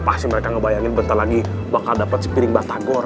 pasti mereka ngebayangin bentar lagi bakal dapat sepiring batagor